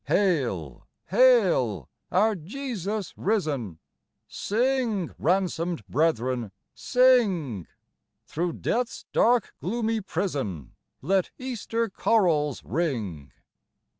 119 Hail, hail, our Jesus risen ! Sing, ransomed brethren, sing ! Through death's dark, gloomy prison, Let Easter chorals ring.